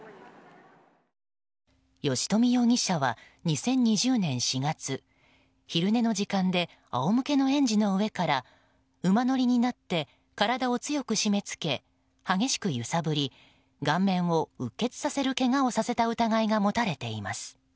吉冨容疑者は２０２０年４月昼寝の時間であおむけの園児の上から馬乗りになって体を強く締め付け激しく揺さぶり顔面をうっ血させるけがをさせた疑いが持たれています。